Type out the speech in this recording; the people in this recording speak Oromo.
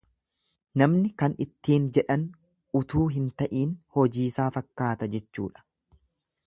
Namni kan ittiin jedhan utuu hinta'iin hojiisaa fakkaata jechuudha.